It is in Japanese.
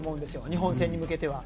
日本戦に向けては。